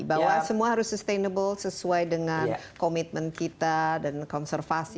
bahwa semua harus sustainable sesuai dengan komitmen kita dan konservasi